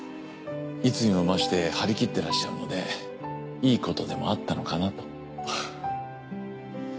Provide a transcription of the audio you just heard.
いつにも増して張り切っていらっしゃるのでいいことでもあったのかなと。